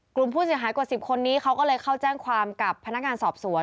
กลุ่มผู้เสียหายกว่า๑๐คนนี้เขาก็เลยเข้าแจ้งความกับพนักงานสอบสวน